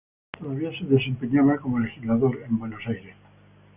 Todavía se desempeñaba como legislador, en Buenos Aires.